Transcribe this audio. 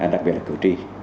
đặc biệt là cử tri